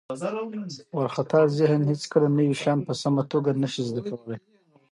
وارخطا ذهن هیڅکله نوي شیان په سمه توګه نه شي زده کولی.